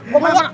gue mau lihat